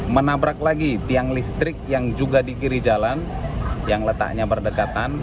menabrak lagi tiang listrik yang juga di kiri jalan yang letaknya berdekatan